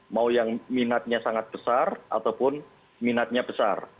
mau yang minatnya sangat besar ataupun minatnya besar